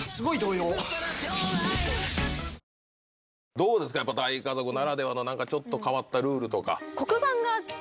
どうですか、やっぱり大家族ならではの、ちょっと変わったルールとか。黒板があって。